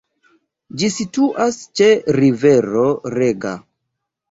Ĝi situas ĉe rivero Rega.